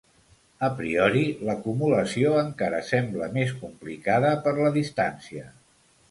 A priori, l’acumulació encara sembla més complicada per la distància…